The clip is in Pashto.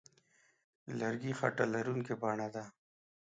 د لرګي خټه لرونکې بڼه ده.